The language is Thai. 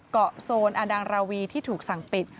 โซนอดังราวีที่ถูกสั่งปิด